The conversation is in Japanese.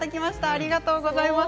ありがとうございます。